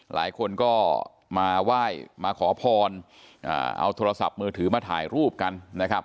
หลายคนก็มาไหว้มาขอพรเอาโทรศัพท์มือถือมาถ่ายรูปกันนะครับ